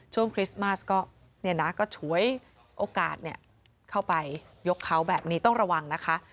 คริสต์มาสก็ฉวยโอกาสเข้าไปยกเขาแบบนี้ต้องระวังนะคะ